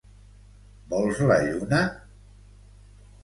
Vols la lluna?